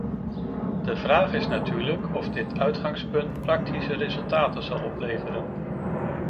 De vraag is natuurlijk of dit uitgangspunt praktische resultaten zal opleveren.